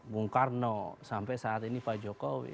bung karno sampai saat ini pak jokowi